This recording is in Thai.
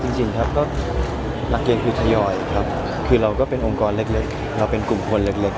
จริงครับก็หลักเกณฑ์คือทยอยครับคือเราก็เป็นองค์กรเล็กเราเป็นกลุ่มคนเล็ก